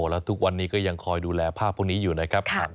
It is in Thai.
แล้วทุกวันนี้ก็ยังคอยดูแลภาพพวกนี้อยู่นะครับ